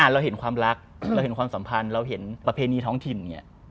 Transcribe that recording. เราเห็นความรักเราเห็นความสัมพันธ์เราเห็นประเพณีท้องถิ่นอย่างนี้